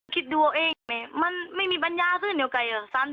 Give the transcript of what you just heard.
คิดดูเอาเองแม่มันไม่มีปัญญาซื้อเหนียวไก่